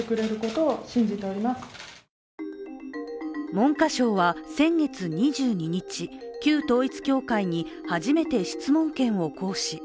文科省は先月２２日、旧統一教会に初めて質問権を行使。